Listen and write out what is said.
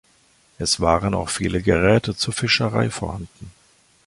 Es waren auch viele Geräte zur Fischerei vorhanden.